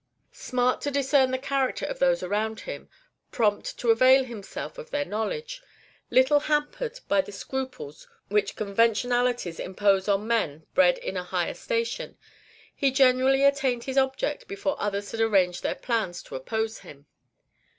Smart to discern the character of those around him, prompt to avail himself of their knowledge, little hampered by the scruples which conventionalities impose on men bred in a higher station, he generally attained his object before others had arranged their plans to oppose him.